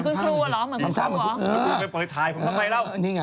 ไปเปิดทายผมทำตั้งไรแล้ว